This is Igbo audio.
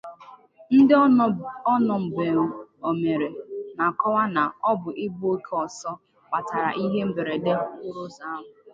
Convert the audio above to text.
Ndị ọnọmgbeomere na-akọwa na ọ bụ ịgba oke ọsọ kpatara ihe mberede okporoụzọ ahụ